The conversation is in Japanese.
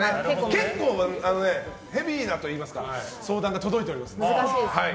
結構、ヘビーなというか相談が届いております。